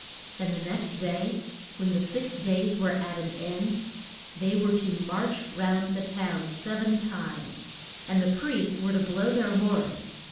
And the next day when the six days were at an end they were to march round the town sev en times, and the priests were to blow their horns.